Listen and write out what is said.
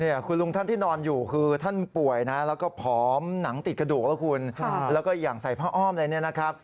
คุณลุงท่านที่นอนอยู่คือท่านป่วยนะแล้วก็ผอมหนังติดกระดูกแล้วคุณแล้วก็อย่างใส่ผ้าอ้อมอะไรเนี่ยนะครับ